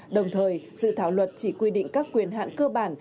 đồng thời dự thảo luật chỉ quy định các quyền hạn cơ bản